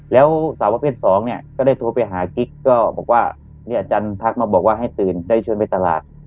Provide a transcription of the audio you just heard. แล้วสาวประเภท๒เนี่ยก็ได้โทรไปหากิ๊กก็บอกว่าเนี่ยอาจารย์ทักมาบอกว่าให้ตื่นได้ชวนไปตลาด